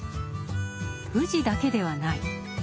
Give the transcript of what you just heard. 富士だけではない。